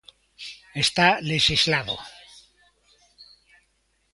Está lexislado.